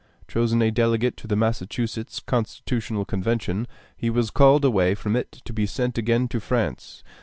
Chosen a delegate to the Massachusetts constitutional convention, he was called away from it to be sent again to France.